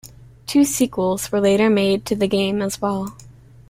Two sequels were later made to the game as well.